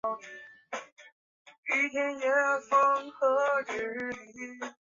比利亚尔出生在巴拉圭涅恩布库省的塞里托。